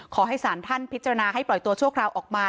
ขอให้สารท่านพิจารณาให้ปล่อยตัวชั่วคราวออกมา